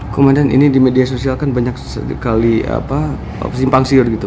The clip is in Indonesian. kemudian ini di media sosial kan banyak sekali simpang siur gitu